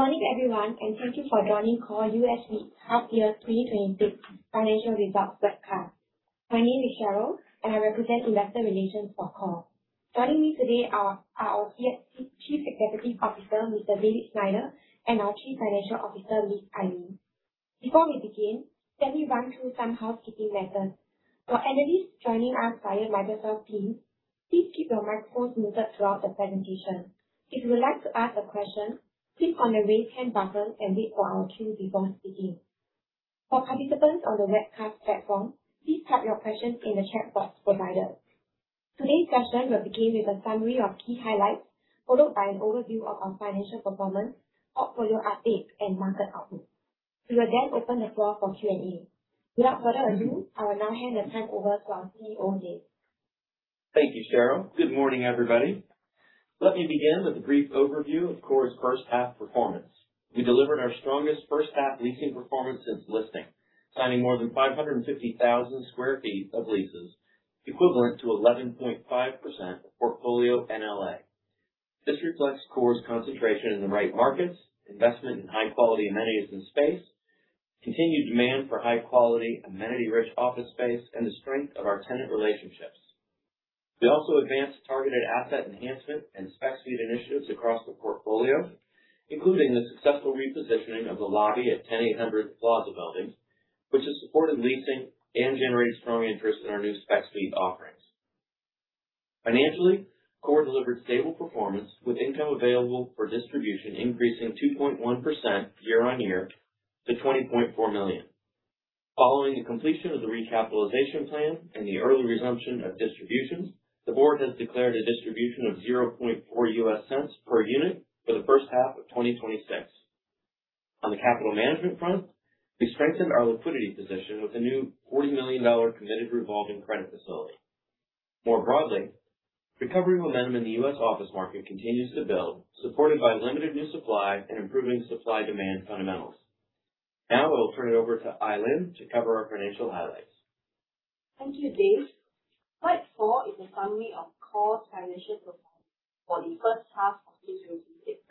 Good morning everyone. Thank you for joining KORE US REIT Half Year 2026 Financial Results Webcast. My name is Sheryl, and I represent Investor Relations for KORE. Joining me today are our Chief Executive Officer, Mr. David Snyder, and our Chief Financial Officer, Ms. Ai Lin. Before we begin, let me run through some housekeeping matters. For analysts joining us via Microsoft Teams, please keep your microphones muted throughout the presentation. If you would like to ask a question, click on the raise hand button and wait for our team before speaking. For participants on the webcast platform, please type your questions in the chat box provided. Today's session will begin with a summary of key highlights, followed by an overview of our financial performance, portfolio update, and market outlook. We will open the floor for Q&A. Without further ado, I will now hand the time over to our CEO, Dave. Thank you, Sheryl. Good morning, everybody. Let me begin with a brief overview of KORE's first half performance. We delivered our strongest first half leasing performance since listing, signing more than 550,000 sq ft of leases, equivalent to 11.5% of portfolio NLA. This reflects KORE's concentration in the right markets, investment in high-quality amenities and space, continued demand for high-quality, amenity-rich office space, and the strength of our tenant relationships. We also advanced targeted asset enhancement and spec suite initiatives across the portfolio, including the successful repositioning of the lobby at 1800 Plaza Buildings, which has supported leasing and generated strong interest in our new spec suite offerings. Financially, KORE delivered stable performance with income available for distribution increasing 2.1% year-over-year to $20.4 million. Following the completion of the recapitalization plan and the early resumption of distributions, the board has declared a distribution of $0.004 per unit for the first half of 2026. On the capital management front, we strengthened our liquidity position with a new $40 million committed revolving credit facility. More broadly, recovery momentum in the U.S. office market continues to build, supported by limited new supply and improving supply-demand fundamentals. I will turn it over to Ai Lin to cover our financial highlights. Thank you, Dave. Slide four is a summary of KORE's financial performance for the first half of 2026.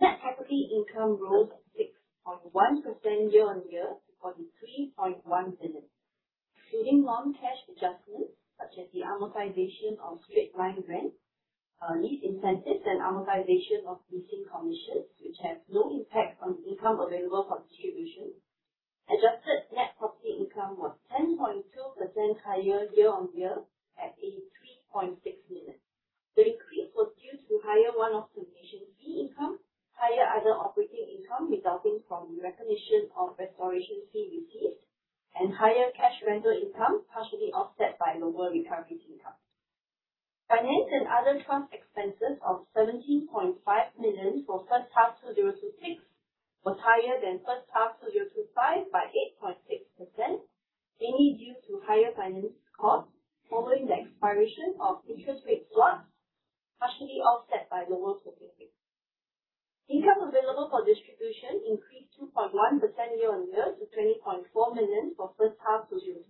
Net property income rose 6.1% year-on-year to $43.1 million. Including non-cash adjustments such as the amortization of straight-line rent, lease incentives, and amortization of leasing commissions, which have no impact on income available for distribution. Adjusted net property income was 10.2% higher year-on-year at $3.6 million. The increase was due to higher one optimization fee income, higher other operating income resulting from the recognition of restoration fee received, and higher cash rental income, partially offset by lower recovery income. Finance and other trust expenses of $17.5 million for first half 2026 was higher than first half 2025 by 8.6%, mainly due to higher finance costs following the expiration of interest rate swaps, partially offset by lower. Income available for distribution increased 2.1% year-on-year to $20.4 million for first half 2026.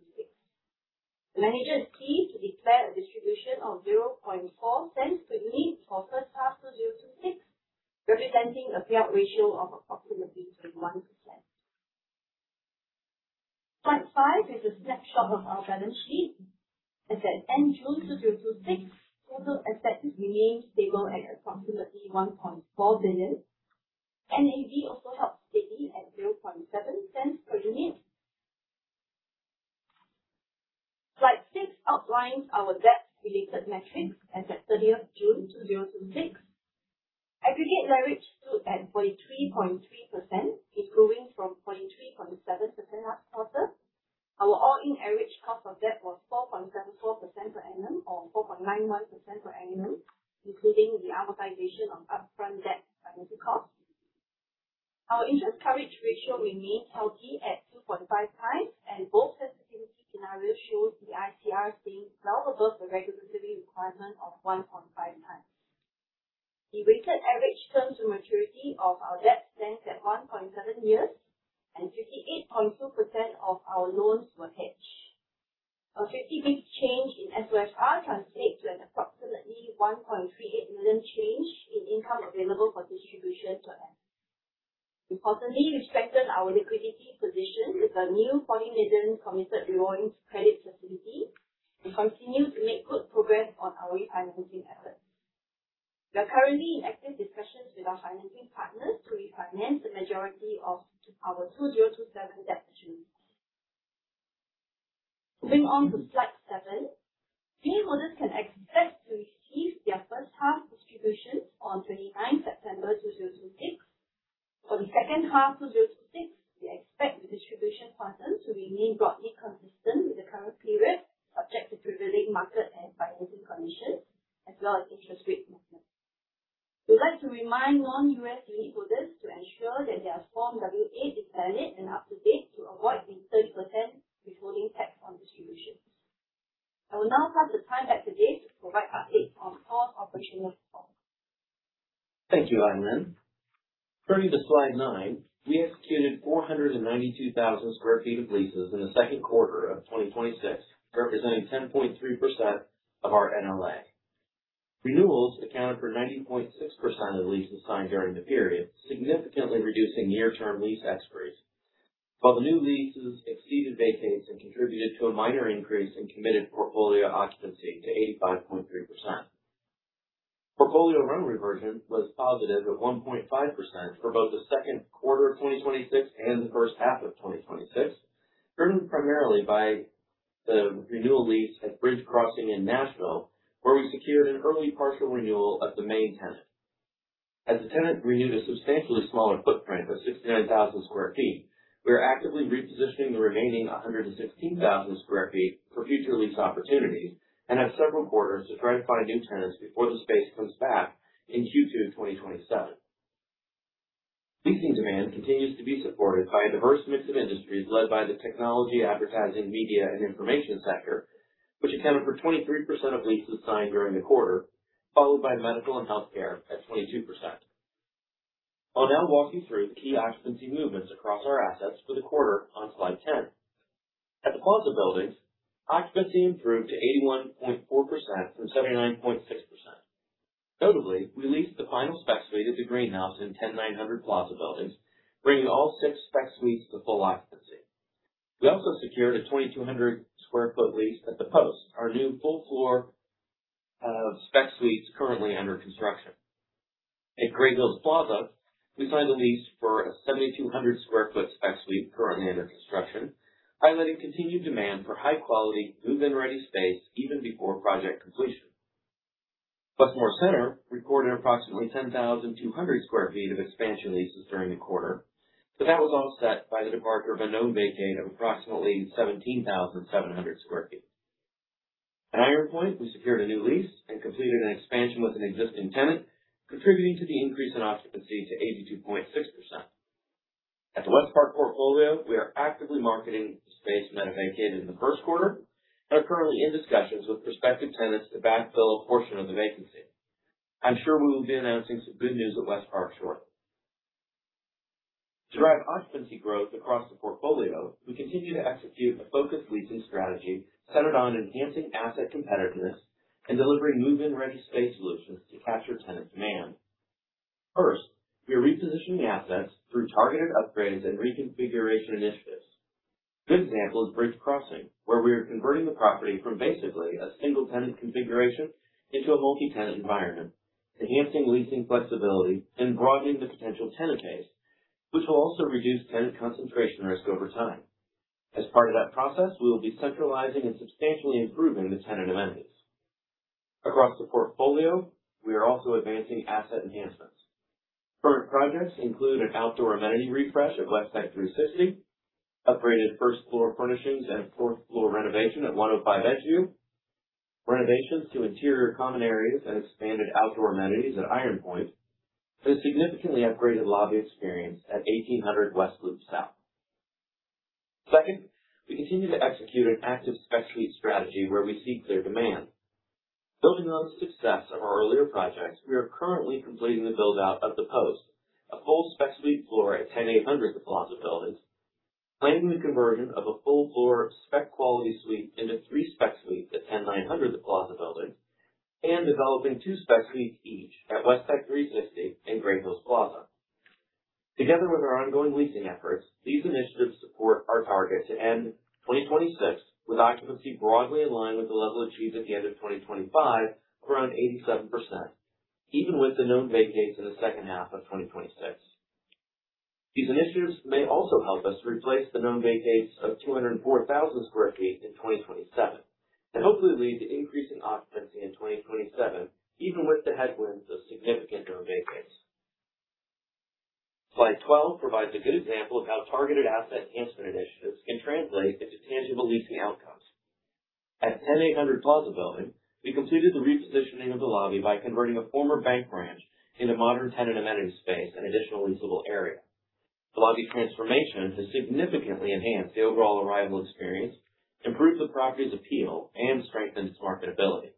The manager is pleased to declare a distribution of $0.004 per unit for first half 2026, representing a payout ratio of approximately 21%. Slide five is a snapshot of our balance sheet as at end June 2026. Total assets remained stable at approximately $1.4 billion. NAV also held steady at $0.007 per unit. Slide six outlines our debt-related metrics as at 30th June 2026. Aggregate leverage stood at 43.3%, improving from 43.7% last quarter. Our all-in average cost of debt was 4.74% per annum or 4.91% per annum including the amortization of upfront debt financing costs. Our interest coverage ratio remains healthy at 2.5 times. Both sensitivity scenarios show the ICR staying well above the regulatory requirement of 1.5 times. The weighted average term to maturity of our debt stands at 1.7 years, and 58.2% of our loans were hedged. A 50 basis change in SOFR translates to an approximately $1.38 million change in income available for distribution per annum. Importantly, we strengthened our liquidity position with a new $40 million committed revolving credit facility and continue to make good progress on our refinancing efforts. We are currently in active discussions with our financing partners to refinance the majority of our 2027 debt maturing. Moving on to Slide seven. Unitholders can expect to receive their first half distributions on 29th September 2026. For the second half 2026, we expect the distribution pattern to remain broadly consistent with the current period, subject to prevailing market and financing conditions as well as interest rate movements. We would like to remind non-U.S. unitholders to ensure that their Form W-8 is valid and up to date to avoid the 30% withholding tax on distributions. I will now pass the time back to Dave to provide updates on KORE's operational performance. Thank you, Ai Lin. Turning to slide nine. We executed 492,000 sq ft of leases in the second quarter of 2026, representing 10.3% of our NLA. Renewals accounted for 90.6% of the leases signed during the period, significantly reducing near-term lease expiries. The new leases exceeded vacates and contributed to a minor increase in committed portfolio occupancy to 85.3%. Portfolio rent reversion was positive at 1.5% for both the second quarter of 2026 and the first half of 2026, driven primarily by the renewal lease at Bridge Crossing in Nashville, where we secured an early partial renewal of the main tenant. As the tenant renewed a substantially smaller footprint of 69,000 sq ft, we are actively repositioning the remaining 116,000 sq ft for future lease opportunities and have several quarters to try to find new tenants before the space comes back in Q2 2027. Leasing demand continues to be supported by a diverse mix of industries led by the technology, advertising, media, and information sector, which accounted for 23% of leases signed during the quarter, followed by medical and healthcare at 22%. I'll now walk you through the key occupancy movements across our assets for the quarter on slide 10. At The Plaza Buildings, occupancy improved to 81.4% from 79.6%. Notably, we leased the final spec suite at The Greenhouse in 10900 Plaza Buildings, bringing all six spec suites to full occupancy. We also secured a 2,200 sq ft lease at The Post, our new full floor of spec suites currently under construction. At Great Hills Plaza, we signed a lease for a 7,200 sq ft spec suite currently under construction, highlighting continued demand for high-quality, move-in-ready space even before project completion. Biltmore Center reported approximately 10,200 sq ft of expansion leases during the quarter, that was offset by the departure of a known vacate of approximately 17,700 sq ft. At Iron Point, we secured a new lease and completed an expansion with an existing tenant, contributing to the increase in occupancy to 82.6%. At the Westpark portfolio, we are actively marketing space that have vacated in the first quarter and are currently in discussions with prospective tenants to backfill a portion of the vacancy. I'm sure we will be announcing some good news at Westpark shortly. To drive occupancy growth across the portfolio, we continue to execute a focused leasing strategy centered on enhancing asset competitiveness and delivering move-in-ready space solutions to capture tenant demand. First, we are repositioning assets through targeted upgrades and reconfiguration initiatives. A good example is Bridge Crossing, where we are converting the property from basically a single-tenant configuration into a multi-tenant environment, enhancing leasing flexibility and broadening the potential tenant base, which will also reduce tenant concentration risk over time. As part of that process, we will be centralizing and substantially improving the tenant amenities. Across the portfolio, we are also advancing asset enhancements. Current projects include an outdoor amenity refresh of Westech 360, upgraded first-floor furnishings and a fourth-floor renovation at 105 Edgeview, renovations to interior common areas, and expanded outdoor amenities at Iron Point, and a significantly upgraded lobby experience at 1800 West Loop South. Second, we continue to execute an active spec suite strategy where we see clear demand. Building on the success of our earlier projects, we are currently completing the build-out of The Post, a full spec suite floor at 10800 The Plaza Buildings, planning the conversion of a full floor of spec quality suite into three spec suites at 10900 The Plaza Buildings, and developing two spec suites each at Westech 360 and Great Hills Plaza. Together with our ongoing leasing efforts, these initiatives support our target to end 2026 with occupancy broadly in line with the level achieved at the end of 2025, around 87%, even with the known vacates in the second half of 2026. These initiatives may also help us to replace the known vacates of 204,000 square feet in 2027, and hopefully lead to increase in occupancy in 2027, even with the headwinds of significant known vacates. Slide 12 provides a good example of how targeted asset enhancement initiatives can translate into tangible leasing outcomes. At 10800 Plaza Building, we completed the repositioning of the lobby by converting a former bank branch into modern tenant amenity space and additional leasable area. The lobby transformation has significantly enhanced the overall arrival experience, improved the property's appeal, and strengthened its marketability.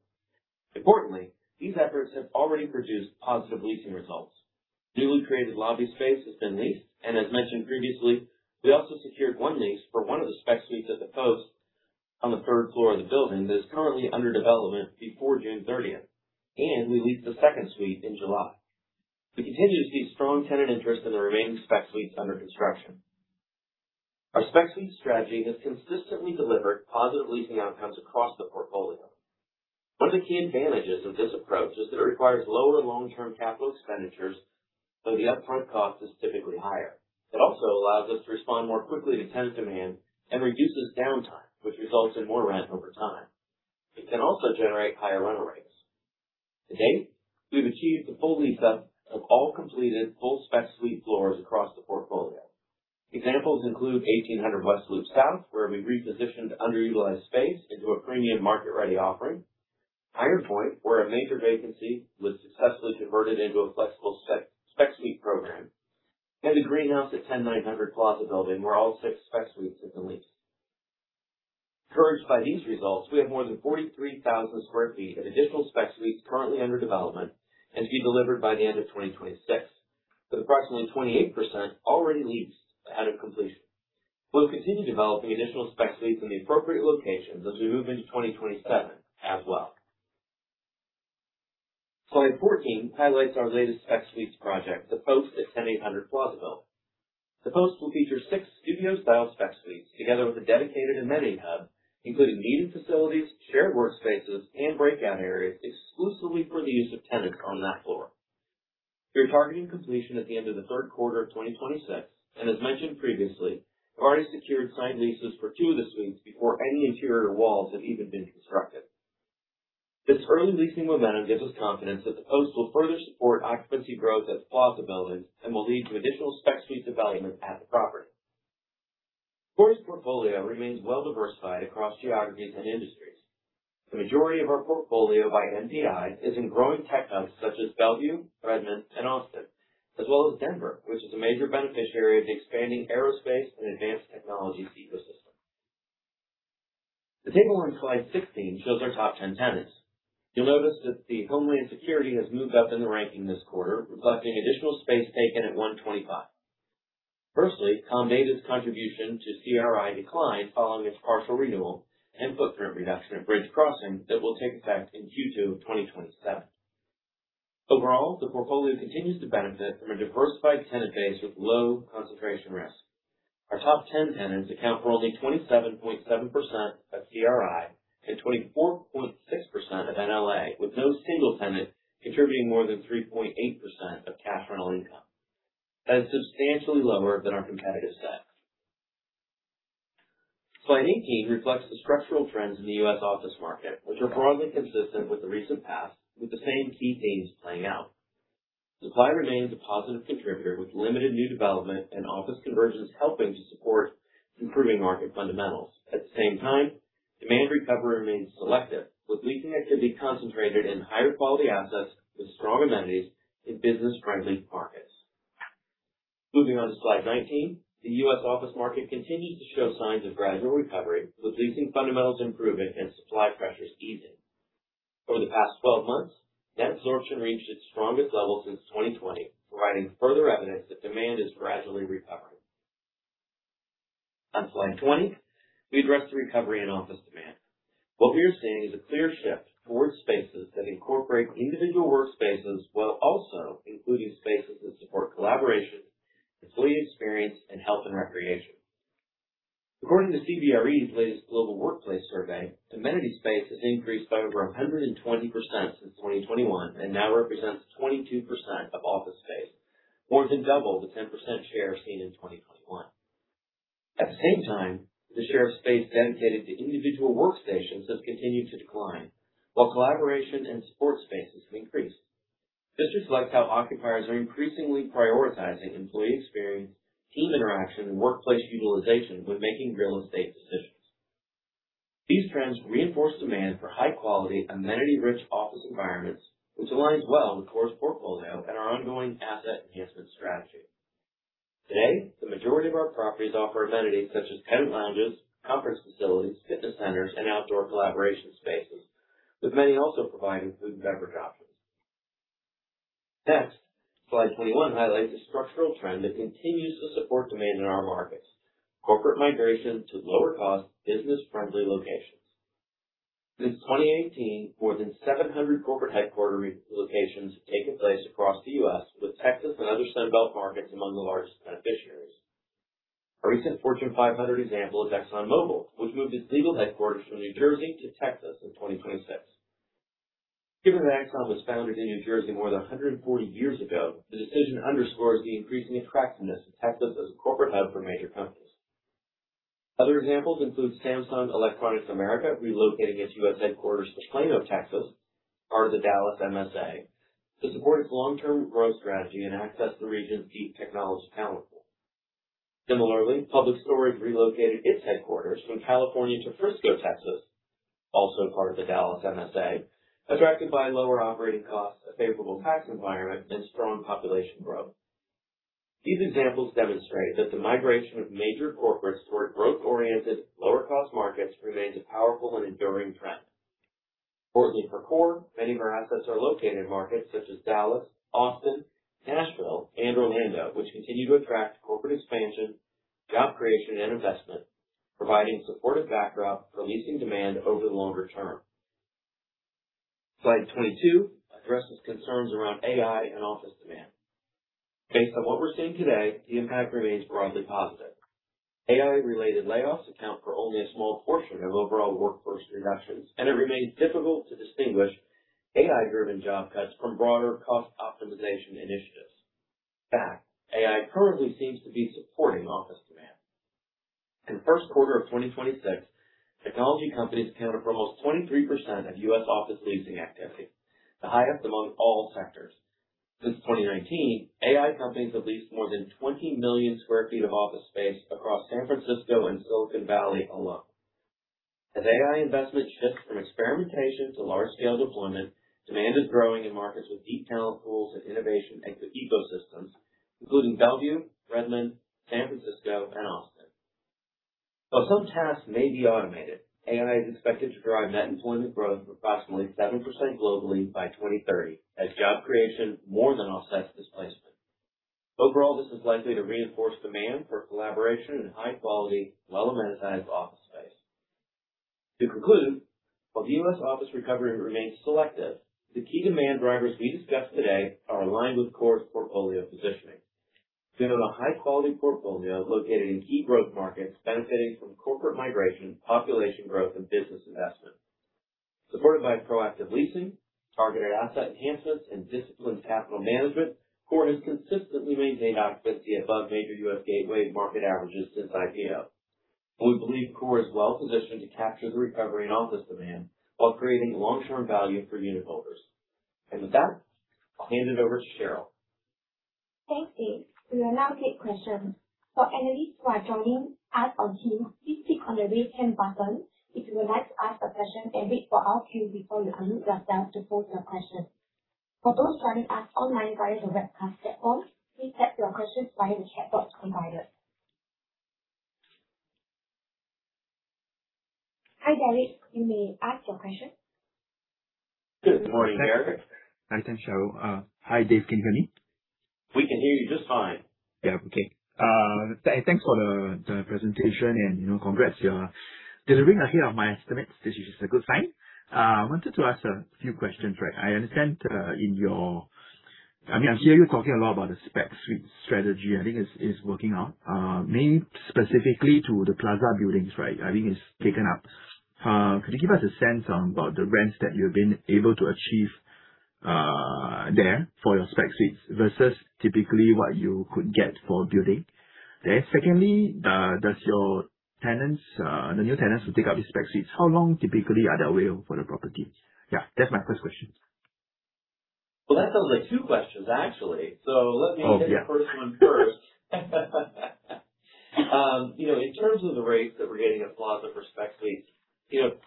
Importantly, these efforts have already produced positive leasing results. Newly created lobby space has been leased, and as mentioned previously, we also secured one lease for one of the spec suites at The Post on the third floor of the building that is currently under development before June 30th. We leased the second suite in July. We continue to see strong tenant interest in the remaining spec suites under construction. Our spec suite strategy has consistently delivered positive leasing outcomes across the portfolio. One of the key advantages of this approach is that it requires lower long-term capital expenditures, though the upfront cost is typically higher. It also allows us to respond more quickly to tenant demand and reduces downtime, which results in more rent over time. It can also generate higher rental rates. To date, we've achieved the full lease-up of all completed full spec suite floors across the portfolio. Examples include 1800 West Loop South, where we repositioned underutilized space into a premium market-ready offering; Iron Point, where a major vacancy was successfully converted into a flexible spec suite program; and The Greenhouse at 10900 Plaza Building, where all six spec suites have been leased. Encouraged by these results, we have more than 43,000 square feet of additional spec suites currently under development and to be delivered by the end of 2026, with approximately 28% already leased ahead of completion. We'll continue developing additional spec suites in the appropriate locations as we move into 2027 as well. Slide 14 highlights our latest spec suites project, The Post at 10800 Plaza Building. The Post will feature six studio-style spec suites, together with a dedicated amenity hub, including meeting facilities, shared workspaces, and breakout areas exclusively for the use of tenants on that floor. We are targeting completion at the end of the third quarter of 2026, and as mentioned previously, have already secured signed leases for two of the suites before any interior walls have even been constructed. This early leasing momentum gives us confidence that The Post will further support occupancy growth at The Plaza Buildings and will lead to additional spec suites development at the property. KORE's portfolio remains well diversified across geographies and industries. The majority of our portfolio by NPI is in growing tech hubs such as Bellevue, Redmond, and Austin, as well as Denver, which is a major beneficiary of the expanding aerospace and advanced technologies ecosystem. The table on slide 16 shows our top 10 tenants. You'll notice that Homeland Security has moved up in the ranking this quarter, reflecting additional space taken at 125. Firstly, Comdata's contribution to CRI declined following its partial renewal and footprint reduction at Bridge Crossing that will take effect in Q2 of 2027. Overall, the portfolio continues to benefit from a diversified tenant base with low concentration risk. Our top 10 tenants account for only 27.7% of CRI and 24.6% of NLA, with no single tenant contributing more than 3.8% of cash rental income. That is substantially lower than our competitive set. Slide 18 reflects the structural trends in the U.S. office market, which are broadly consistent with the recent past, with the same key themes playing out. Supply remains a positive contributor, with limited new development and office conversions helping to support improving market fundamentals. At the same time, demand recovery remains selective, with leasing activity concentrated in higher quality assets with strong amenities in business-friendly markets. Moving on to slide 19. The U.S. office market continues to show signs of gradual recovery, with leasing fundamentals improving and supply pressures easing. Over the past 12 months, net absorption reached its strongest level since 2020, providing further evidence that demand is gradually recovering. On slide 20, we address the recovery in office demand. What we are seeing is a clear shift towards spaces that incorporate individual workspaces, while also including spaces that support collaboration, employee experience, and health and recreation. According to CBRE's latest global workplace survey, amenity space has increased by over 120% since 2021 and now represents 22% of office space, more than double the 10% share seen in 2021. At the same time, the share of space dedicated to individual workstations has continued to decline, while collaboration and support spaces have increased. This reflects how occupiers are increasingly prioritizing employee experience, team interaction, and workplace utilization when making real estate decisions. These trends reinforce demand for high-quality, amenity-rich office environments, which aligns well with KORE's portfolio and our ongoing asset enhancement strategy. Today, the majority of our properties offer amenities such as tenant lounges, conference facilities, fitness centers, and outdoor collaboration spaces, with many also providing food and beverage options. Next, slide 21 highlights a structural trend that continues to support demand in our markets. Corporate migration to lower cost, business-friendly locations. Since 2018, more than 700 corporate headquarter relocations have taken place across the U.S., with Texas and other Sun Belt markets among the largest beneficiaries. A recent Fortune 500 example is ExxonMobil, which moved its legal headquarters from New Jersey to Texas in 2026. Given that Exxon was founded in New Jersey more than 140 years ago, the decision underscores the increasing attractiveness of Texas as a corporate hub for major companies. Other examples include Samsung Electronics America relocating its U.S. headquarters to Plano, Texas, part of the Dallas MSA, to support its long-term growth strategy and access the region's deep technology talent pool. Similarly, Public Storage relocated its headquarters from California to Frisco, Texas, also part of the Dallas MSA, attracted by lower operating costs, a favorable tax environment, and strong population growth. These examples demonstrate that the migration of major corporates toward growth-oriented, lower cost markets remains a powerful and enduring trend. Importantly for KORE, many of our assets are located in markets such as Dallas, Austin, Nashville, and Orlando, which continue to attract corporate expansion, job creation, and investment, providing supportive backdrop for leasing demand over the longer term. Slide 22 addresses concerns around AI and office demand. Based on what we're seeing today, the impact remains broadly positive. AI-related layoffs account for only a small portion of overall workforce reductions, and it remains difficult to distinguish AI-driven job cuts from broader cost optimization initiatives. In fact, AI currently seems to be supporting office demand. In the first quarter of 2026, technology companies accounted for almost 23% of U.S. office leasing activity, the highest among all sectors. Since 2019, AI companies have leased more than 20 million sq ft of office space across San Francisco and Silicon Valley alone. As AI investment shifts from experimentation to large-scale deployment, demand is growing in markets with deep talent pools and innovation tech ecosystems, including Bellevue, Redmond, San Francisco, and Austin. While some tasks may be automated, AI is expected to drive net employment growth of approximately 7% globally by 2030 as job creation more than offsets displacement. Overall, this is likely to reinforce demand for collaboration in high-quality, well-amenitized office space. To conclude, while the U.S. office recovery remains selective, the key demand drivers we discussed today are aligned with KORE's portfolio positioning. Given a high-quality portfolio located in key growth markets benefiting from corporate migration, population growth, and business investment. Supported by proactive leasing, targeted asset enhancements, and disciplined capital management, KORE has consistently maintained occupancy above major U.S. gateway market averages since IPO. We believe KORE is well-positioned to capture the recovery and office demand while creating long-term value for unitholders. With that, I'll hand it over to Sheryl. Thanks, Dave. We will now take questions. For analysts who are joining us on Teams, please click on the Raise Hand button if you would like to ask a question, and wait for our cue before you unmute yourself to pose your question. For those joining us online via the webcast platform, please type your questions via the chat box provided. Hi, Derrick. You may ask your question. Good morning, Derrick. Hi, Sheryl. Hi, Dave Kingery. We can hear you just fine. Yeah. Okay. Thanks for the presentation and congrats. You're delivering ahead of my estimates, which is a good sign. I wanted to ask a few questions. I hear you talking a lot about the spec suite strategy. I think it's working out. Mainly specifically to The Plaza Buildings. I think it's taken up. Could you give us a sense about the rents that you've been able to achieve there for your spec suites versus typically what you could get for a building? Secondly, does your new tenants who take up the spec suites, how long typically are they away for the property? Yeah, that's my first question. Well, that sounds like two questions, actually. Let me Oh, yeah. hit the first one first. In terms of the rates that we're getting at Plaza for spec suites,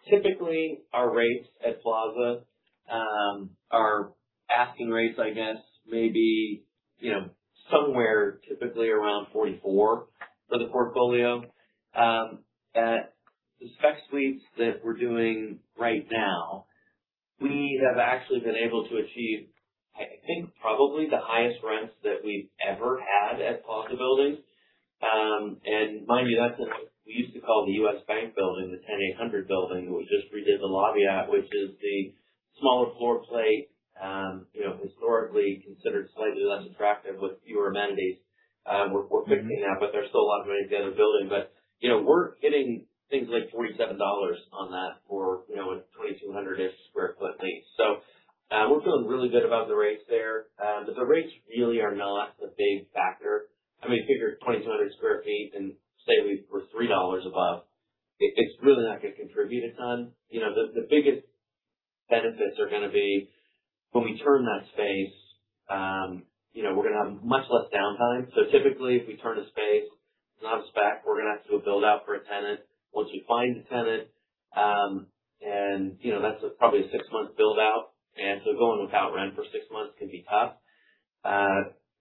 typically our rates at Plaza are asking rates, I guess maybe, somewhere typically around $44 for the portfolio. At the spec suites that we're doing right now, we have actually been able to achieve, I think, probably the highest rents that we've ever had at Plaza buildings. Mind you, that's what we used to call the U.S. Bank building, the 10800 building. We just redid the lobby at, which is the smaller floor plate, historically considered slightly less attractive with fewer amenities. We're fixing that, there's still a lot of amenities at the building. We're getting things like $47 on that for a 2,200-ish square foot lease. We're feeling really good about the rates there. The rates really are not the big factor. If you figure 2,200 square feet and say we're $3 above, it's really not going to contribute a ton. The biggest benefits are going to be when we turn that space, we're going to have much less downtime. Typically, if we turn a space, it's not a spec. We're going to have to do a build-out for a tenant. Once you find a tenant, that's probably a 6-month build-out. Going without rent for 6 months can be tough.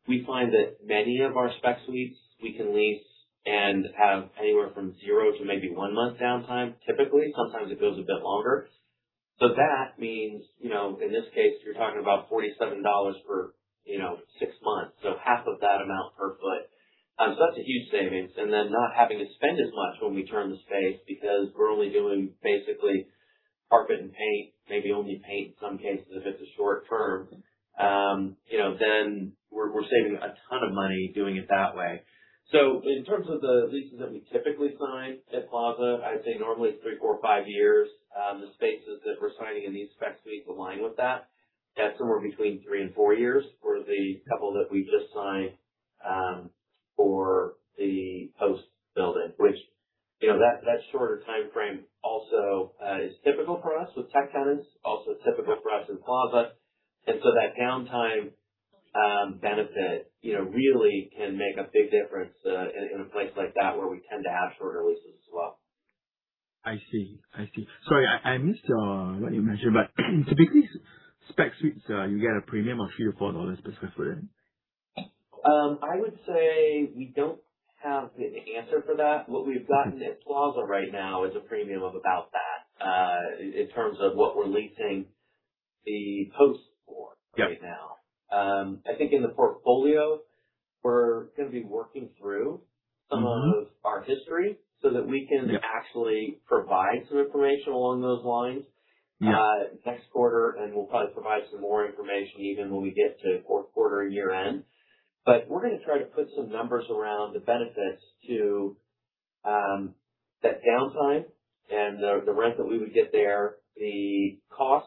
We find that many of our spec suites we can lease and have anywhere from zero to maybe one month downtime, typically. Sometimes it goes a bit longer. That means, in this case, you're talking about $47 for 6 months, so half of that amount per foot. That's a huge savings. Not having to spend as much when we turn the space because we're only doing basically carpet and paint, maybe only paint in some cases if it's a short term. We're saving a ton of money doing it that way. In terms of the leases that we typically sign at Plaza, I'd say normally it's three, four, five years. The spaces that we're signing in these spec suites align with that at somewhere between three and four years for the couple that we just signed for The Post building, which that shorter timeframe also is typical for us with tech tenants, also typical for us in Plaza. That downtime benefit really can make a big difference in a place like that where we tend to have shorter leases as well. I see. Sorry, I missed what you mentioned. Typically spec suites you get a premium of $3 or $4 per square foot? I would say we don't have an answer for that. What we've gotten at Plaza right now is a premium of about that, in terms of what we're leasing The Post for right now. Yeah. I think in the portfolio, we're going to be working through some of our history so that we can actually provide some information along those lines next quarter. We'll probably provide some more information even when we get to fourth quarter year end. We're going to try to put some numbers around the benefits to that downtime and the rent that we would get there, the cost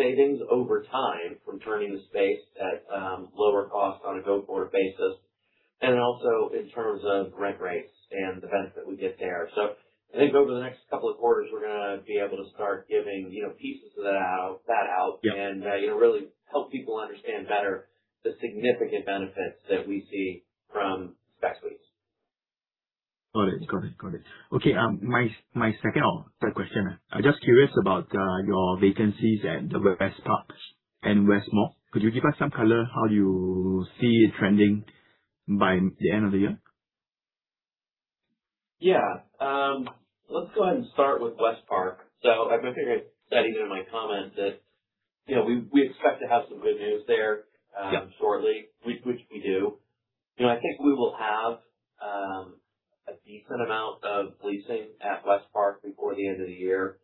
savings over time from turning the space at lower cost on a go-forward basis. Also in terms of rent rates and the benefit we get there. I think over the next couple of quarters, we're going to be able to start giving pieces of that out. Yeah really help people understand better the significant benefits that we see from spec suites. Got it. Okay. My second or third question. I'm just curious about your vacancies at the Westpark and Westmoor. Could you give us some color how you see it trending by the end of the year? Let's go ahead and start with Westpark. I figured, said even in my comment that we expect to have some good news there. Yeah Shortly, which we do. I think we will have a decent amount of leasing at Westpark before the end of the year.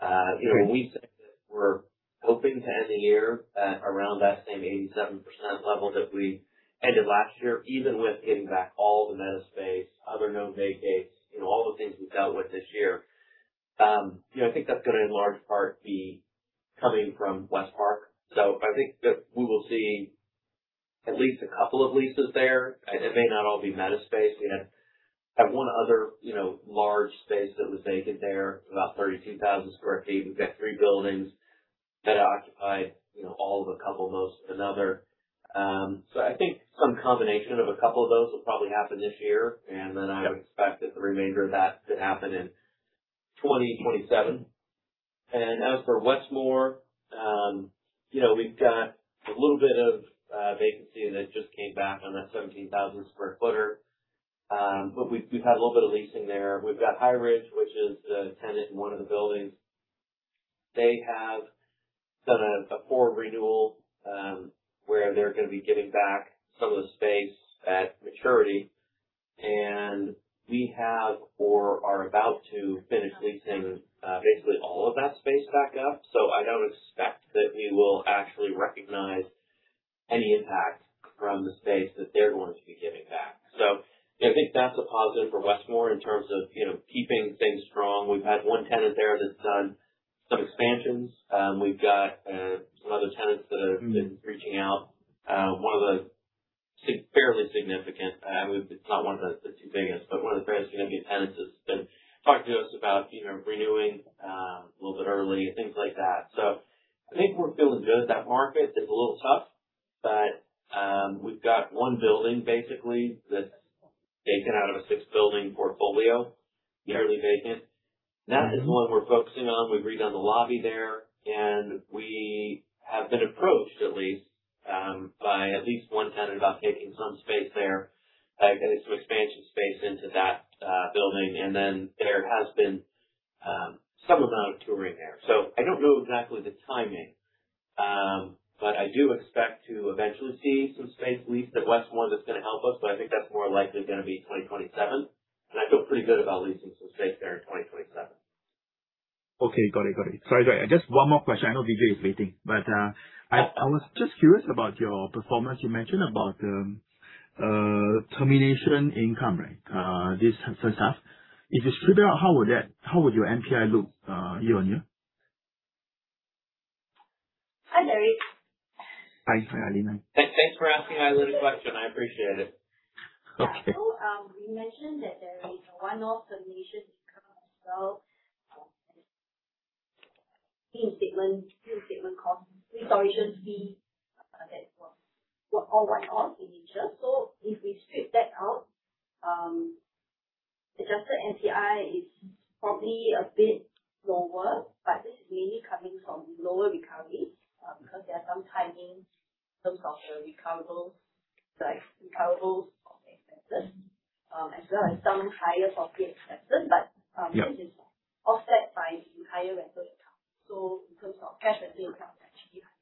When we said that we're hoping to end the year at around that same 87% level that we ended last year, even with giving back all the Meta space, other known vacates, all the things we've dealt with this year. I think that's going to in large part be coming from Westpark. I think that we will see at least a couple of leases there. It may not all be Meta space. We have one other large space that was vacant there, about 32,000 sq ft. We've got three buildings that are occupied, all but a couple, most another. I think some combination of a couple of those will probably happen this year, and then I would expect that the remainder of that to happen in 2027. As for Westmoor, we've got a little bit of vacancy that just came back on that 17,000 square footer. We've had a little bit of leasing there. We've got High Ridge, which is the tenant in one of the buildings. They have done a forward renewal, where they're going to be giving back some of the space at maturity, and we have or are about to finish leasing basically all of that space back up. I don't expect that we will actually recognize any impact from the space that they're going to be giving back. I think that's a positive for Westmoor in terms of keeping things strong. We've had one tenant there that's done some expansions. We've got some other tenants that have been reaching out. One of the fairly significant, it's not one of the two biggest, but one of the fairly significant tenants has been talking to us about renewing a little bit early, things like that. I think we're feeling good. That market is a little tough, we've got one building basically that's vacant out of a six-building portfolio. Yeah. Nearly vacant. That is the one we're focusing on. We've redone the lobby there, we have been approached at least, by at least one tenant about taking some space there as some expansion space into that building. There has been some amount of touring there. I don't know exactly the timing, but I do expect to eventually see some space leased at Westmoor that's going to help us, but I think that's more likely going to be 2027. I feel pretty good about leasing some space there in 2027. Okay. Got it. Sorry. Just one more question. I know Vijay is waiting, but I was just curious about your performance. You mentioned about termination income, right? This first half. If you strip it out, how would your NPI look year-on-year? Hi, Derrick. Hi, Eileen. Thanks for asking Eileen's question. I appreciate it. Okay. We mentioned that there is a one-off termination income as well. In statement cost, restoration fee that was all one-off in nature. If we strip that out, adjusted NPI is probably a bit lower, but this is mainly coming from lower recovery because there are some timing in terms of the recoverables, like recoverables of expenses, as well as some higher software expenses. Yeah this is offset by the higher rental account. In terms of cash rental accounts, they're actually higher.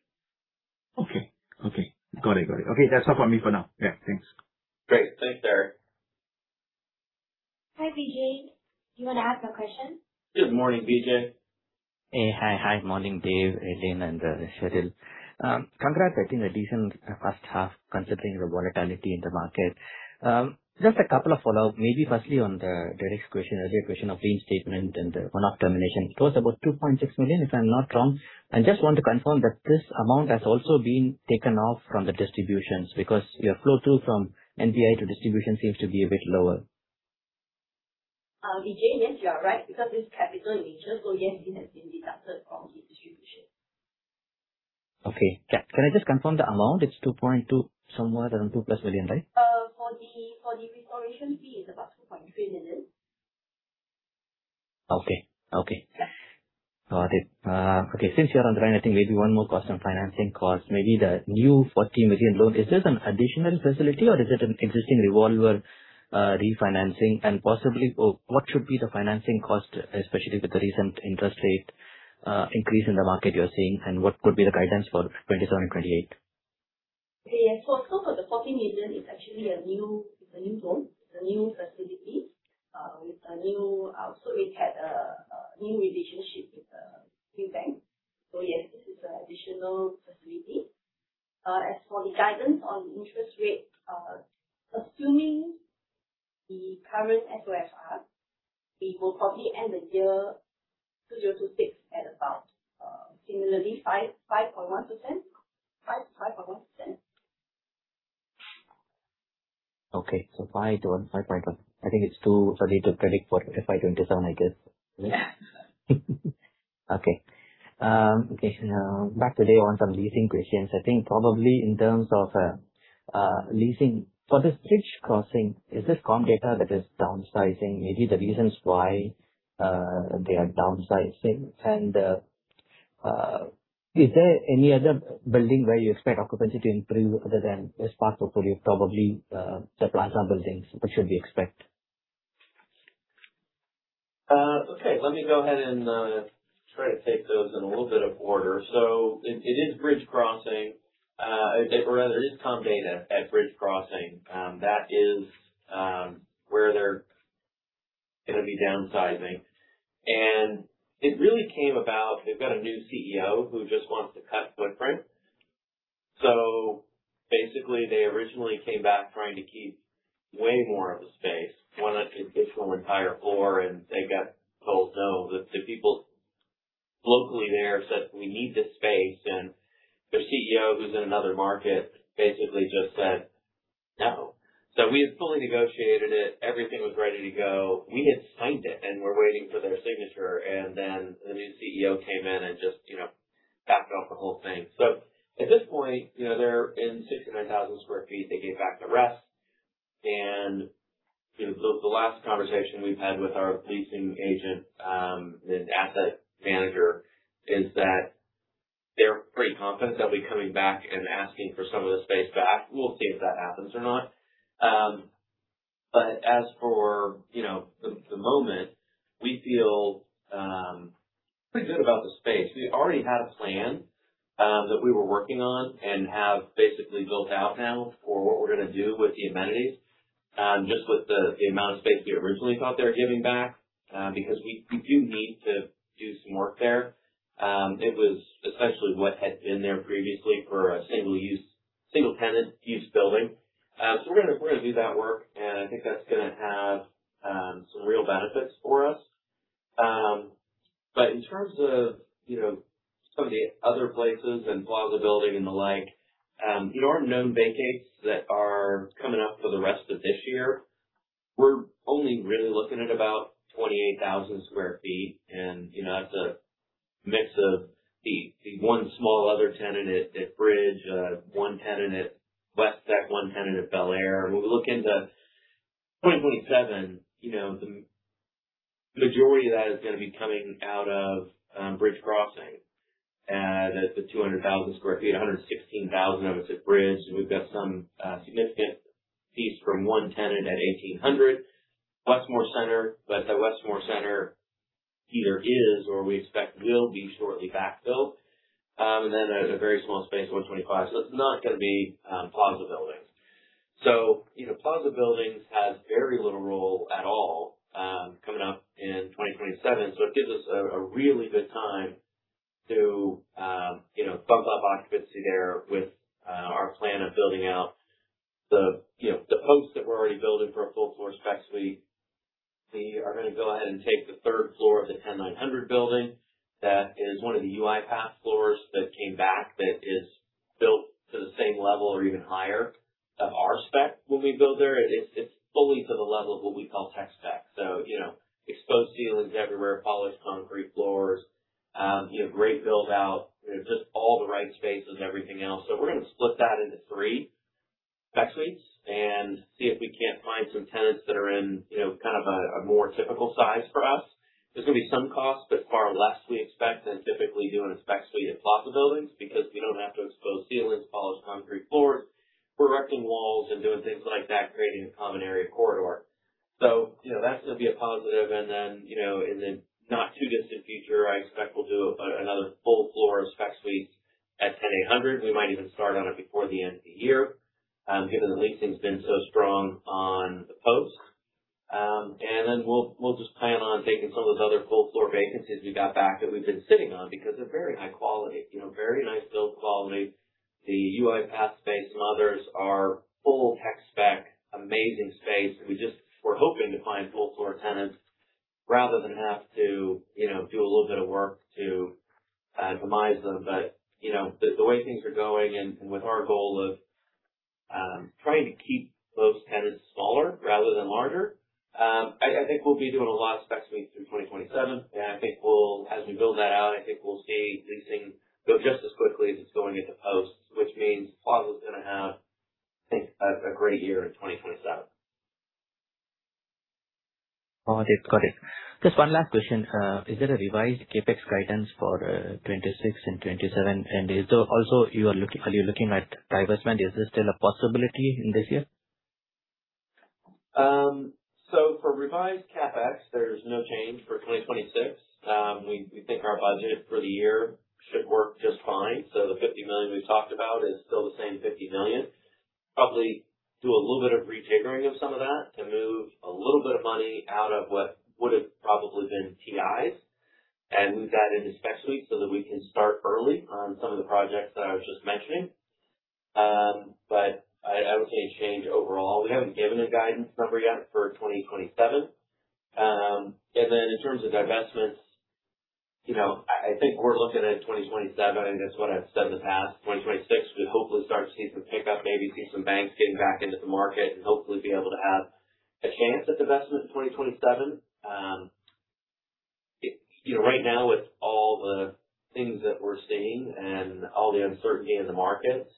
Okay. Got it. Okay. That's all for me for now. Yeah. Thanks. Great. Thanks, Derrick. Hi, Vijay. You want to ask a question? Good morning, Vijay. Hey. Hi. Morning, Dave, Eileen, and Sheryl. Congrats on a decent first half considering the volatility in the market. Just a couple of follow-ups, maybe firstly on Derrick's question, earlier question of reinstatement and the one-off termination. It was about $2.6 million, if I'm not wrong. I just want to confirm that this amount has also been taken off from the distributions because your flow-through from NPI to distribution seems to be a bit lower. Vijay, yes, you are right, because it's capital in nature. Yes, it has been deducted from the distribution. Okay. Can I just confirm the amount? It's $2.2 somewhere around $2+ million, right? For the restoration fee, it's about $2.3 million. Okay. Yes. Got it. Okay. Since you're on the line, I think maybe one more question on financing cost, maybe the new $40 million loan. Is this an additional facility or is it an existing revolver refinancing? Possibly, what should be the financing cost, especially with the recent interest rate increase in the market you're seeing, and what could be the guidance for 2027 and 2028? Yes. For the $40 million, it's actually a new loan. It's a new facility. We had a new relationship with a new bank. Yes, this is an additional facility. As for the guidance on the interest rate, assuming the current SOFR, we will probably end the year 2026 at about similarly 5.1%. Okay. 5.1. I think it's too early to predict for FY 2027, I guess. Yeah. Okay. Back to Dave on some leasing questions. I think probably in terms of leasing, for this Bridge Crossing, is this Comdata that is downsizing? Maybe the reasons why they are downsizing. Is there any other building where you expect occupancy to improve other than as part of probably The Plaza Buildings? What should we expect? Okay. Let me go ahead and try to take those in a little bit of order. It is Bridge Crossing, or rather it is Comdata at Bridge Crossing. That is where they're going to be downsizing. It really came about, they've got a new CEO who just wants to cut footprint. Basically, they originally came back trying to keep way more of the space, wanted an additional entire floor. They got told no. The people locally there said, "We need this space." The CEO, who's in another market, basically just said, "No." We had fully negotiated it, everything was ready to go. We had signed it and were waiting for their signature. The new CEO came in and just backed off the whole thing. At this point, they're in 69,000 sq ft. They gave back the rest. The last conversation we've had with our leasing agent, the asset manager, is that they're pretty confident they'll be coming back and asking for some of the space back. We'll see if that happens or not. As for the moment, we feel pretty good about the space. We already had a plan that we were working on and have basically built out now for what we're going to do with the amenities, just with the amount of space we originally thought they were giving back, because we do need to do some work there. It was essentially what had been there previously for a single-tenant use building. We're going to do that work. I think that's going to have some real benefits for us. In terms of some of the other places and Plaza Building and the like, in our known vacates that are coming up for the rest of this year, we're only really looking at about 28,000 sq ft. That's a mix of the one small other tenant at Bridge, one tenant at Westech 360, one tenant at Bellaire. When we look into 2027, the majority of that is going to be coming out of Bridge Crossing. That's the 200,000 sq ft, 116,000 of it's at Bridge. We've got some significant piece from one tenant at 10800 Plaza Building, Westmoor Center. The Westmoor Center either is or we expect will be shortly back filled. There's a very small space at 125. It's not going to be The Plaza Buildings. Plaza Buildings has very little role at all coming up in 2027, so it gives us a really good time to bump up occupancy there with our plan of building out The Post that we're already building for a full-floor spec suite. We are going to go ahead and take the third floor of the 10900 building. That is one of the UiPath floors that came back that is built to the same level or even higher of our spec when we build there. It's fully to the level of what we call tech spec. Exposed ceilings everywhere, polished concrete floors, great build-out. Just all the right spaces and everything else. We're going to split that into three spec suites and see if we can't find some tenants that are in kind of a more typical size for us. There's going to be some cost, but far less, we expect, than typically doing a spec suite at The Plaza Buildings because we don't have to expose ceilings, polish concrete floors. We're erecting walls and doing things like that, creating a common area corridor. That's going to be a positive, and then, in the not too distant future, I expect we'll do another full floor of spec suites at 10800. We might even start on it before the end of the year, given the leasing's been so strong on The Post. We'll just plan on taking some of those other full floor vacancies we got back that we've been sitting on because they're very high quality. Very nice build quality. The UiPath space and others are full tech spec, amazing space. We're hoping to find full floor tenants rather than have to do a little bit of work to demise them. The way things are going and with our goal of trying to keep those tenants smaller rather than larger, I think we'll be doing a lot of spec suites through 2027. As we build that out, I think we'll see leasing go just as quickly as it's going into The Post, which means Plaza's going to have, I think, a great year in 2027. All right. Got it. Just one last question. Is there a revised CapEx guidance for 2026 and 2027? Also are you looking at divestment? Is this still a possibility in this year? For revised CapEx, there's no change for 2026. We think our budget for the year should work just fine. The $50 million we've talked about is still the same $50 million. Probably do a little bit of retickering of some of that to move a little bit of money out of what would've probably been TIs and move that into spec suites so that we can start early on some of the projects that I was just mentioning. I would say a change overall. We haven't given a guidance number yet for 2027. In terms of divestments, I think we're looking at 2027 as what I've said in the past. 2026, we'd hopefully start to see some pickup, maybe see some banks getting back into the market and hopefully be able to have a chance at divestment in 2027. Right now with all the things that we're seeing and all the uncertainty in the markets,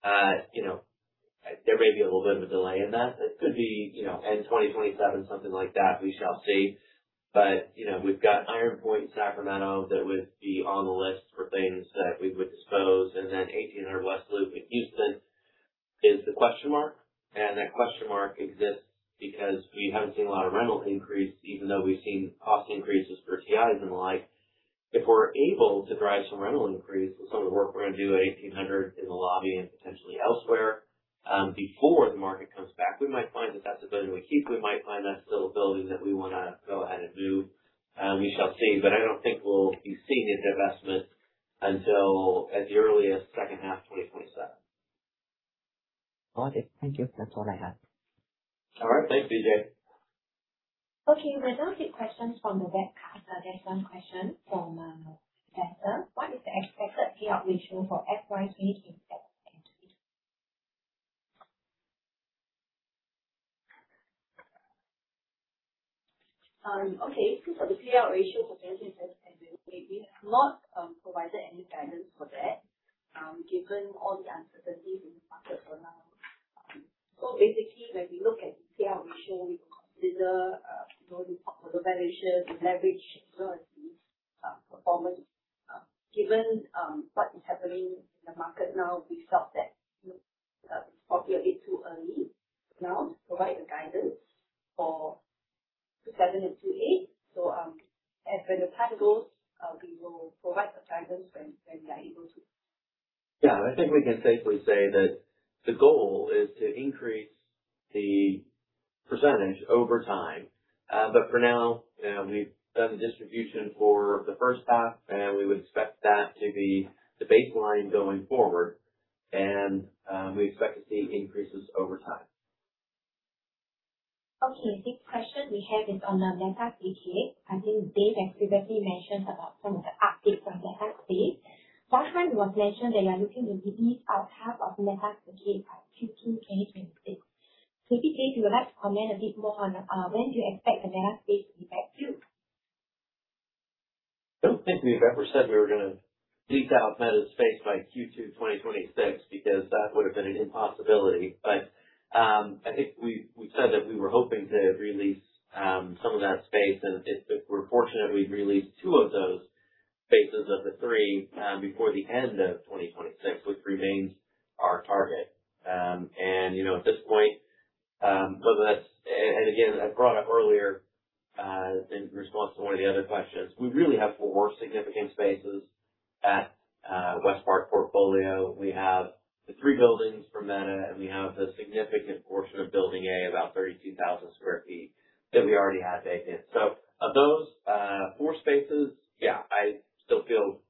there may be a little bit of a delay in that. It could be end 2027, something like that, we shall see. We've got Iron Point, Sacramento, that would be on the list for things that we would dispose. 1800 West Loop in Houston is the question mark, and that question mark exists because we haven't seen a lot of rental increase, even though we've seen cost increases for TIs and the like. If we're able to drive some rental increase with some of the work we're going to do at 1800 in the lobby and potentially elsewhere, before the market comes back, we might find that that's a building we keep. We might find that's still a building that we want to go ahead and do. We shall see. I don't think we'll be seeing a divestment until as early as second half 2027. Okay, thank you. That's all I have. All right. Thanks, BJ. Okay. We're going to take questions from the webcast. There's one question from Esther. What is the expected payout ratio for FY 2027? For the payout ratio for 2027, we have not provided any guidance for that, given all the uncertainties in the market for now. Basically, when we look at the payout ratio, we will consider portfolio valuation, the leverage as well as the performance. Given what is happening in the market now, we felt that it's probably a bit too early now to provide a guidance for the 2027 and 2028. As when the time goes, we will provide the guidance when we are able to. Yeah. I think we can safely say that the goal is to increase the percentage over time. For now, we've done the distribution for the first half, and we would expect that to be the baseline going forward. We expect to see increases over time. Okay. The question we have is on the Meta space. I think Dave has previously mentioned about some of the updates on Meta space. Last time it was mentioned that you're looking to lease out half of Meta space by Q2 2026. If Dave you would like to comment a bit more on when do you expect the Meta space to be back filled. I don't think we've ever said we were going to lease out Meta space by Q2 2026, because that would've been an impossibility. I think we said that we were hoping to release some of that space, and if we're fortunate, we'd release two of those spaces of the three before the end of 2026, which remains our target. At this point, and again, I brought up earlier, in response to one of the other questions, we really have four significant spaces at Westmoor portfolio. We have the three buildings from Meta, and we have the significant portion of Building A, about 32,000 sq ft that we already have vacant. Of those four spaces, yeah, I still feel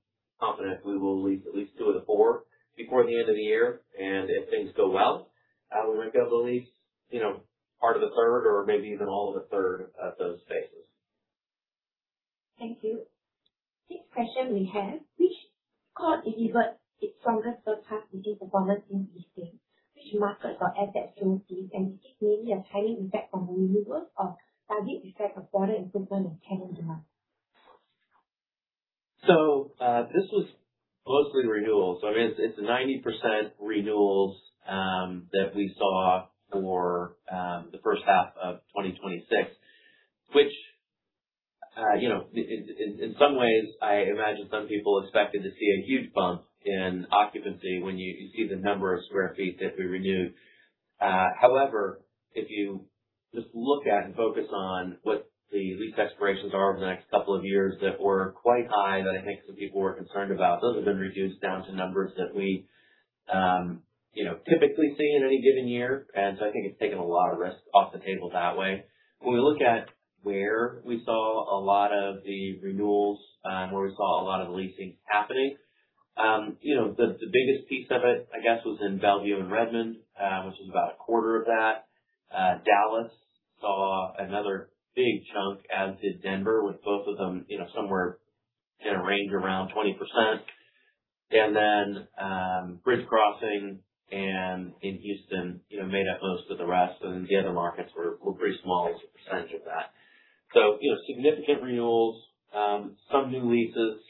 confident we will lease at least two of the four before the end of the year. If things go well, we might be able to lease part of the third or maybe even all of the third of those spaces. Thank you. Next question we have, which KORE delivered its strongest first half within the portfolio in Q2? Which markets or assets drove this and is this mainly a timing effect from renewals or target effect of broader improvement in tenant demand? This was mostly the renewals. It's 90% renewals that we saw for the first half of 2026, which in some ways I imagine some people expected to see a huge bump in occupancy when you see the number of square feet that we renewed. However, if you just look at and focus on what the lease expirations are over the next couple of years that were quite high that I think some people were concerned about, those have been reduced down to numbers that we typically see in any given year. I think it's taken a lot of risk off the table that way. When we look at where we saw a lot of the renewals and where we saw a lot of leasing happening, the biggest piece of it, I guess, was in Bellevue and Redmond, which was about a quarter of that. Dallas saw another big chunk, as did Denver, with both of them somewhere in a range around 20%. Bridge Crossing and in Houston made up most of the rest, and the other markets were pretty small as a percentage of that. Significant renewals, some new leases,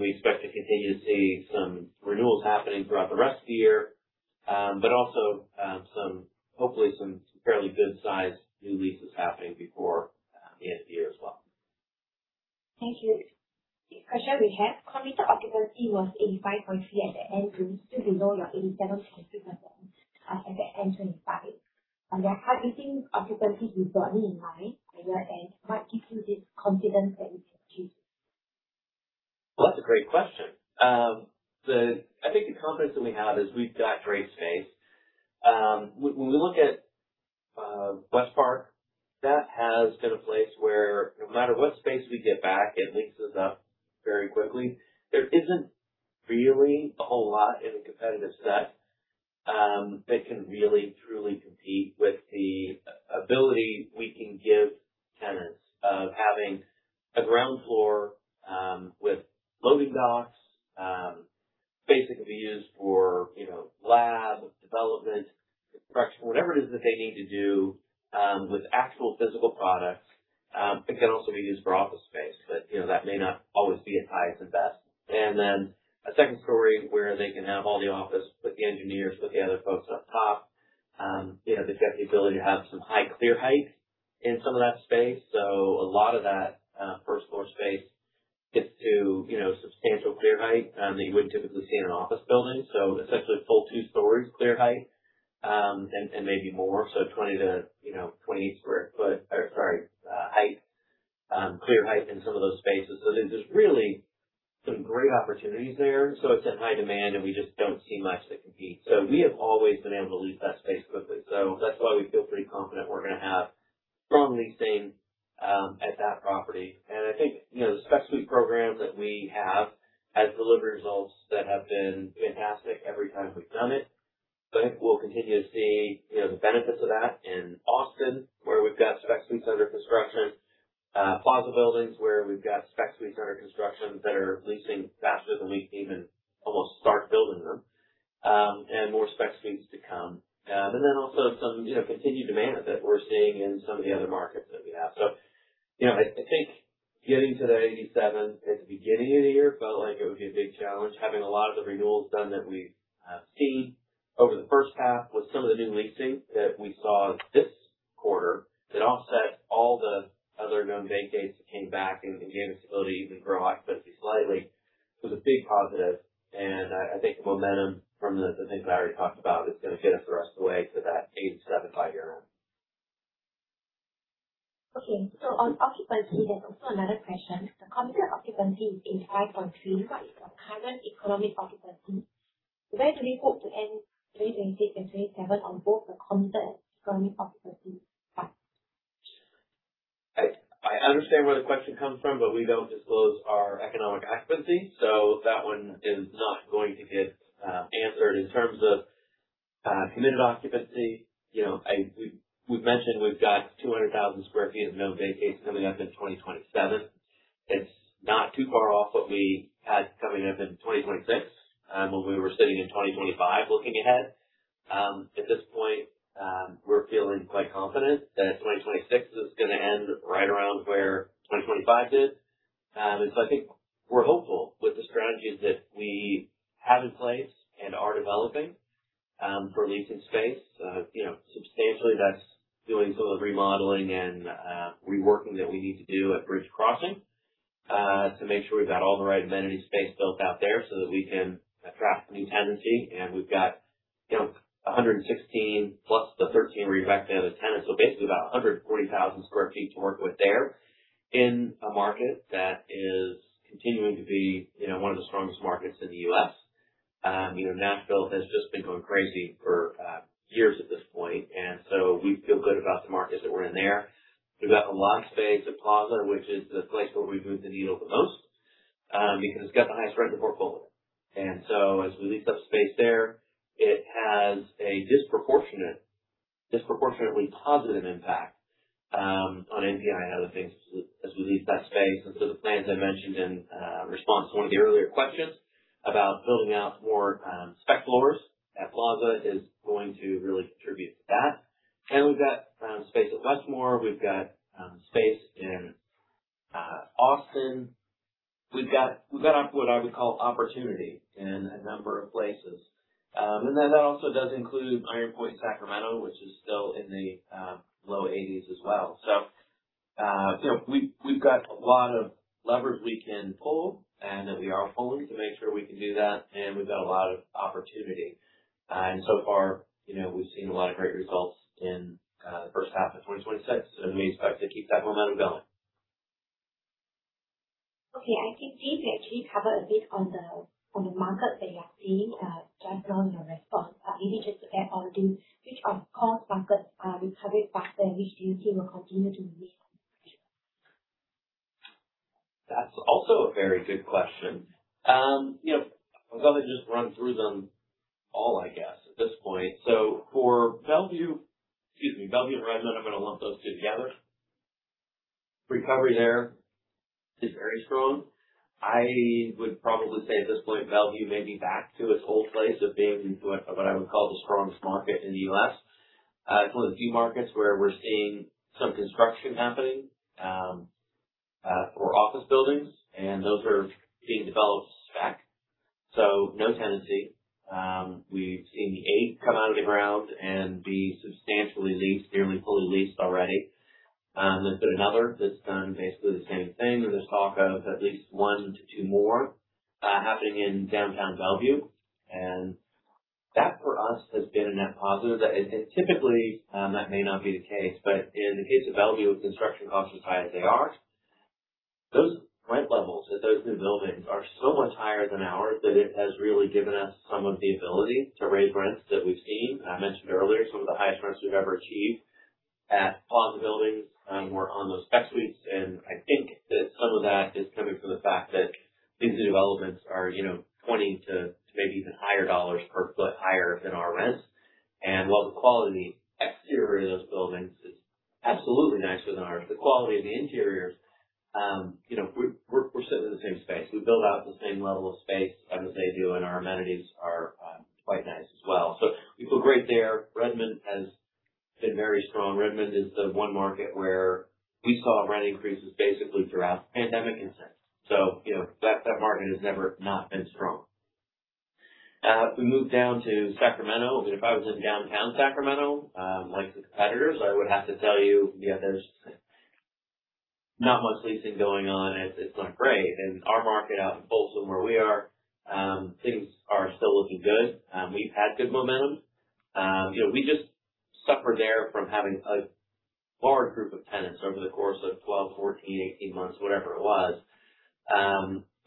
we expect to continue to see some renewals happening throughout the rest of the year. Also hopefully some fairly good sized new leases happening before the end of the year as well. Thank you. Next question we have. Committed occupancy was 85.3% at the end Q2 below your 87%-88% as at end 2025. Are there targeting occupancies you broadly in mind for year-end? What gives you this confidence that you can achieve this? That's a great question. I think the confidence that we have is we've got great space. When we look at Westpark, that has been a place where no matter what space we get back, it leases up very quickly. There isn't really a whole lot in a competitive set that can really truly compete with the ability we can give tenants of having a ground floor, with loading docks, space that can be used for lab development, production, whatever it is that they need to do with actual physical products. It can also be used for office space, but that may not always be its highest and best. A second story where they can have all the office with the engineers, with the other folks up top. They've got the ability to have some high clear height in some of that space. A lot of that first-floor space gets to substantial clear height that you wouldn't typically see in an office building. Essentially a full two stories clear height, and maybe more. 20 sq ft or sorry, height, clear height in some of those spaces. There's just really some great opportunities there. It's in high demand, and we just don't see much that competes. We have always been able to lease that space quickly. That's why we feel pretty confident we're going to have strong leasing at that property. I think the spec suite program that we have has delivered results that have been fantastic every time we've done it. I think we'll continue to see the benefits of that in Austin where we've got spec suites under construction, Plaza Buildings, where we've got spec suites under construction that are leasing faster than we can even almost start building them, and more spec suites to come. Also some continued demand that we're seeing in some of the other markets that we have. I think getting to that 87 at the beginning of the year felt like it was going to be a big challenge. Having a lot of the renewals done that we've seen over the first half with some of the new leasing that we saw this quarter that offset all the other known vacates that came back and gave us the ability to even grow occupancy slightly, was a big positive, and I think the momentum from the things that I already talked about is going to get us the rest of the way to that 87 by year-end. On occupancy, there's also another question. The committed occupancy is 85.3. What is your current economic occupancy? Where do we hope to end 2026 and 2027 on both the committed and economic occupancy? I understand where the question comes from, we don't disclose our economic occupancy, that one is not going to get answered. In terms of committed occupancy, we've mentioned we've got 200,000 square feet of known vacates coming up in 2027. It's not too far off what we had coming up in 2026, when we were sitting in 2025, looking ahead. At this point, we're feeling quite confident that 2026 is going to end right around where 2025 did. I think we're hopeful with the strategies that we have in place and are developing for leasing space. Substantially that's doing some of the remodeling and reworking that we need to do at Bridge Crossing, to make sure we've got all the right amenity space built out there so that we can attract new tenancy. We've got 116 plus the 13 we expect to have as tenants. Basically about 140,000 square feet to work with there in a market that is continuing to be one of the strongest markets in the U.S. Nashville has just been going crazy for years at this point, we feel good about the markets that we're in there. We've got a lot of space at Plaza, which is the place where we move the needle the most, because it's got the highest rent in the portfolio. As we lease up space there, it has a disproportionately positive impact on NPI and other things as we lease that space. The plans I mentioned in response to one of the earlier questions about building out more spec floors at Plaza is going to really contribute to that. We've got space at Westmoor, we've got space in Austin. We've got what I would call opportunity in a number of places. That also does include Iron Point, Sacramento, which is still in the low 80s as well. We've got a lot of levers we can pull, and that we are pulling to make sure we can do that, and we've got a lot of opportunity. So far, we've seen a lot of great results in the first half of 2026, and we expect to keep that momentum going. I think James actually covered a bit on the market that you are seeing, just now in your response. Maybe just to add on, which of KORE's markets are recovering faster, and which do you think will continue to lead in the future? That's also a very good question. I'm going to just run through them all, I guess, at this point. For Bellevue and Redmond, I'm going to lump those two together. Recovery there is very strong. I would probably say at this point, Bellevue may be back to its old place of being what I would call the strongest market in the U.S. It's one of the few markets where we're seeing some construction happening for office buildings, and those are being developed spec. No tenancy. We've seen eight come out of the ground and be substantially leased, nearly fully leased already. There's been another that's done basically the same thing. There's talk of at least one to two more happening in downtown Bellevue and that for us has been a net positive. Typically, that may not be the case, but in the case of Bellevue, with construction costs as high as they are, those rent levels at those new buildings are so much higher than ours that it has really given us some of the ability to raise rents that we've seen. I mentioned earlier some of the highest rents we've ever achieved at Plaza Buildings were on those spec suites, and I think that some of that is coming from the fact that these new developments are pointing to maybe even higher $ per foot higher than our rents. While the quality exterior of those buildings is absolutely nicer than ours, the quality of the interiors We're sitting in the same space. We build out the same level of space as they do, and our amenities are quite nice as well. We feel great there. Redmond has been very strong. Redmond is the one market where we saw rent increases basically throughout the pandemic and since. That market has never not been strong. If we move down to Sacramento, if I was in downtown Sacramento, like the competitors, I would have to tell you, there's not much leasing going on, and it's not great. In our market, out in Folsom where we are, things are still looking good. We've had good momentum. We just suffered there from having a large group of tenants over the course of 12, 14, 18 months, whatever it was,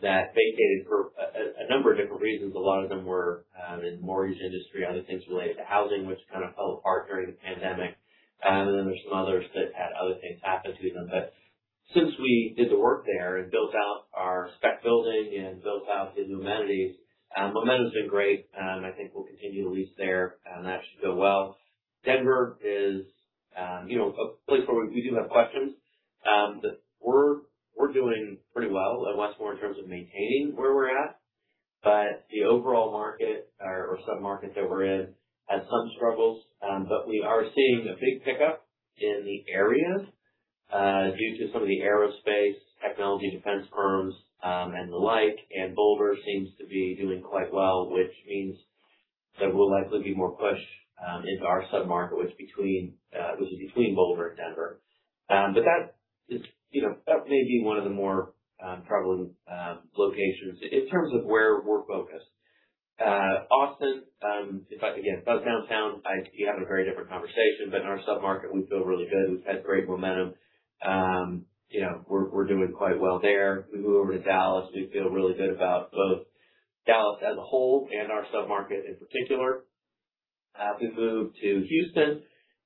that vacated for a number of different reasons. A lot of them were in the mortgage industry, other things related to housing, which kind of fell apart during the pandemic. Then there's some others that had other things happen to them. Since we did the work there and built out our spec building and built out the new amenities, momentum's been great, I think we'll continue to lease there, and that should go well. Denver is a place where we do have questions. We're doing pretty well, once more in terms of maintaining where we're at. The overall market or sub-market that we're in has some struggles. We are seeing a big pickup in the areas due to some of the aerospace technology defense firms and the like and Boulder seems to be doing quite well, which means that we'll likely be more pushed into our sub-market, which is between Boulder and Denver. That may be one of the more troubling locations in terms of where we're focused. Austin, if again, if I was downtown, you'd have a very different conversation, in our sub-market, we feel really good. We've had great momentum. We're doing quite well there. If we move over to Dallas, we feel really good about both Dallas as a whole and our sub-market in particular. As we move to Houston,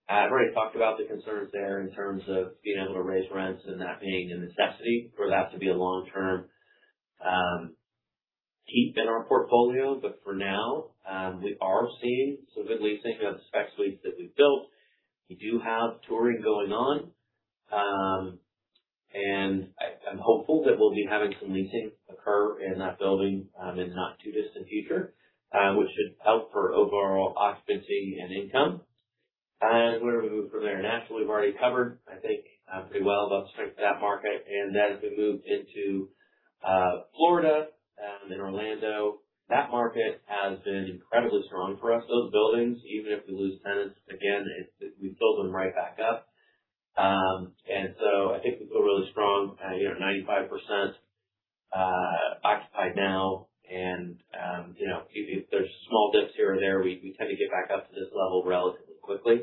I've already talked about the concerns there in terms of being able to raise rents and that being a necessity for that to be a long-term keep in our portfolio. For now, we are seeing some good leasing of the spec suites that we've built. We do have touring going on. I'm hopeful that we'll be having some leasing occur in that building in the not-too-distant future, which should help for overall occupancy and income. As we move from there, Nashville we've already covered, I think, pretty well the upsides of that market. As we move into Florida and Orlando, that market has been incredibly strong for us. Those buildings, even if we lose tenants, again, we fill them right back up. I think we feel really strong. 95% occupied now, and if there's small dips here and there, we tend to get back up to this level relatively quickly.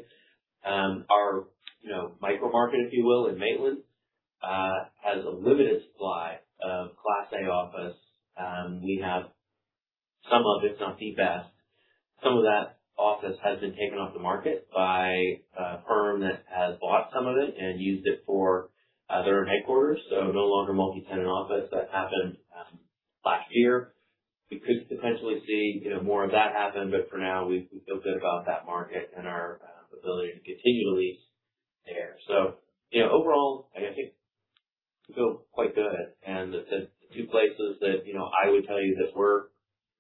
Our micro market, if you will, in Maitland, has a limited supply of Class A office. We have some of it's not the best. Some of that office has been taken off the market by a firm that has bought some of it and used it for their headquarters, so no longer multi-tenant office. That happened last year. We could potentially see more of that happen, for now, we feel good about that market and our ability to continue to lease there. Overall, I think we feel quite good. The two places that I would tell you that we're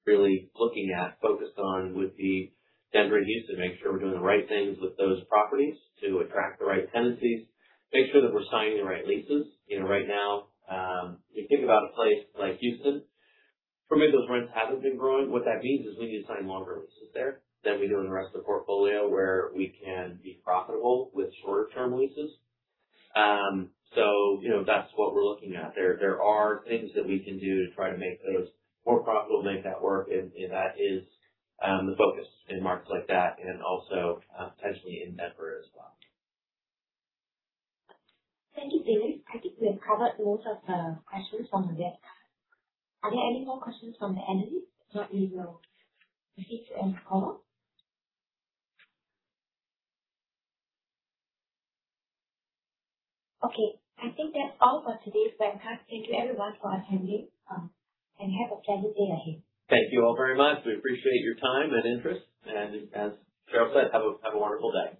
really looking at focusing on would be Denver and Houston. Make sure we're doing the right things with those properties to attract the right tenancies, make sure that we're signing the right leases. Right now, if you think about a place like Houston, for maybe those rents haven't been growing. What that means is we need to sign longer leases there than we do in the rest of the portfolio where we can be profitable with shorter-term leases. That's what we're looking at there. There are things that we can do to try to make those more profitable, make that work, that is the focus in markets like that and also potentially in Denver as well. Thank you, Jamie. I think we have covered most of the questions on the deck. Are there any more questions from the analysts? If not, we will proceed to end the call. Okay. I think that's all for today's webcast. Thank you everyone for attending, and have a pleasant day ahead. Thank you all very much. We appreciate your time and interest, and as Sheryl said, have a wonderful day.